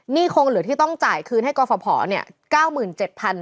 นี่คงเหลือที่ต้องจ่ายคืนให้กรภพ